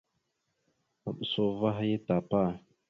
Maɓəsa uvah ya tapa.